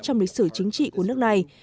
trong lịch sử chính trị của nước mỹ